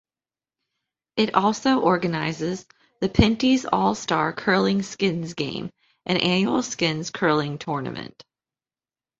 It also organizes the Pinty's All-Star Curling Skins Game, an annual skins curling tournament.